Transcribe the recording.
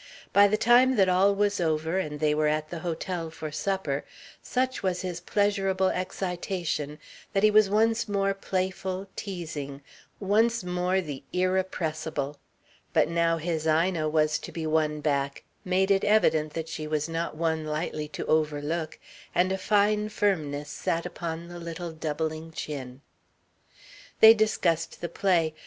By the time that all was over, and they were at the hotel for supper, such was his pleasurable excitation that he was once more playful, teasing, once more the irrepressible. But now his Ina was to be won back, made it evident that she was not one lightly to overlook, and a fine firmness sat upon the little doubling chin. They discussed the play.